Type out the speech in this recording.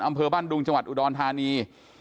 อำเภอบ้านดุงจังหวัดอุดรธานี